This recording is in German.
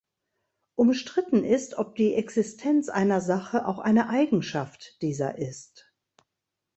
Umstritten ist, ob die Existenz einer Sache auch eine Eigenschaft dieser ist.